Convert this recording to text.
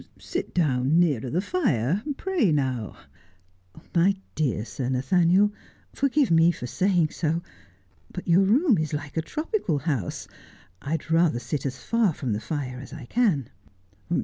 Sit down, nearer the fire, pray now '' My dear Sir Nathaniel, forgive me for saying so, but your room is like a tropical house. I'd rather sit as far from the fire as I can.'